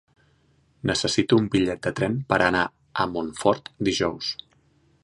Necessito un bitllet de tren per anar a Montfort dijous.